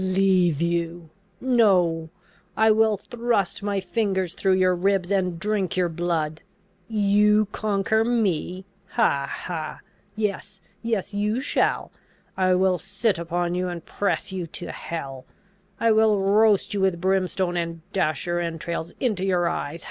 "Leave you! No: I will thrust my fingers through your ribs, and drink your blood! You conquer me? Ha, ha! Yes, yes; you shall! I will sit upon you, and press you to hell! I will roast you with brimstone, and dash your entrails into your eyes!